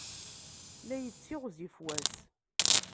La yettiɣzif wass.